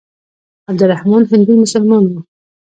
عبدالرحمن هندو مسلمان وو.